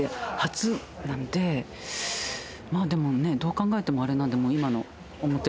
でもねどう考えてもあれなんで。